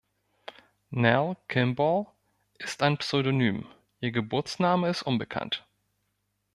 Nell Kimball ist ein Pseudonym, ihr Geburtsname ist unbekannt.